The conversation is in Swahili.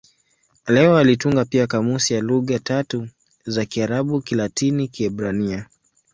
Leo alitunga pia kamusi ya lugha tatu za Kiarabu-Kilatini-Kiebrania.